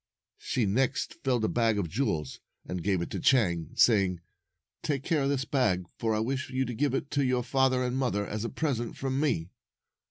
She next filled a bag of jewels, and gave it to Chang, saying, "Take care of this bag, for I wish you to give it to your father and mother as a present from me."